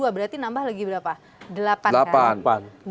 berarti nambah lagi berapa delapan kan